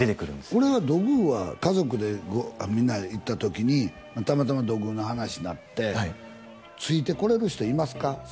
これは土偶は家族でみんなで行った時にたまたま土偶の話になってはいついてこれる人いますか？